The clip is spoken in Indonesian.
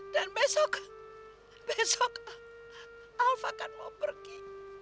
dan besok besok alva akan mau pergi